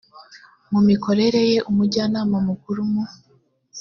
mu mikorere ye umujyanama mukuru mu